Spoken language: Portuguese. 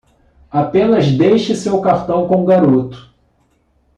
Apenas deixe seu cartão com o garoto.